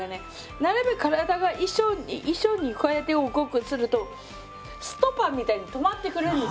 なるべく体が一緒にこうやって動くとするとストッパーみたいに止まってくれるんです。